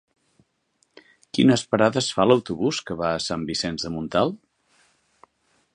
Quines parades fa l'autobús que va a Sant Vicenç de Montalt?